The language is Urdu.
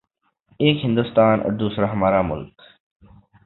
:ایک ہندوستان اوردوسرا ہمارا ملک۔